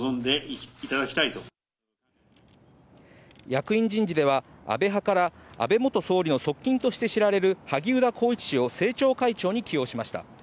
役員人事では、安倍派から安倍元総理の側近として知られる萩生田光一氏を政調会長に起用しました。